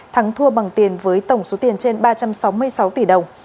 thắng thua bằng tiền với tổng số tiền trên ba trăm sáu mươi sáu tỷ đồng